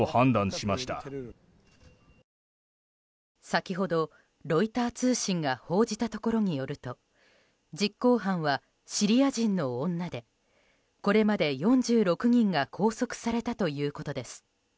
先ほどロイター通信が報じたところによると実行犯はシリア人の女でこれまで４６人が拘束されたということです。